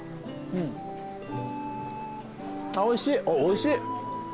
あっおいしいおいしい。